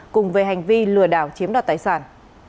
cùng về hành vi lừa đảo chiếm đoạt tài sản